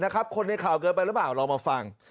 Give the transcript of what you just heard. คนในข่าวเกินไปหรือเปล่าลองมาฟัง